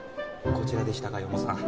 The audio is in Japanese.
こちらでしたか四方さん。